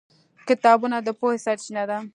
کتابونه د پوهې سرچینه ده.